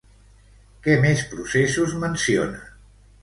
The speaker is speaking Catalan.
Què més processos menciona?